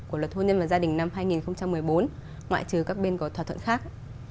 của luật hôn nhân và gia đình năm hai nghìn một mươi bốn ngoại trừ các bên có thỏa thuận khác